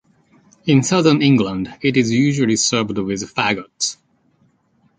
In Southern England, it is usually served with faggots.